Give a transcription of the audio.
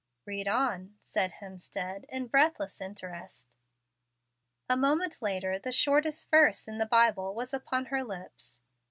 "Read on," said Hemstead, in breathless interest. A moment later, the shortest verse in the Bible was upon her lips.